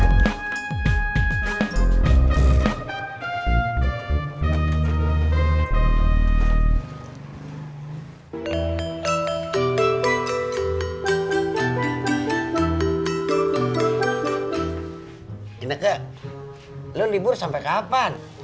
ini lo libur sampai kapan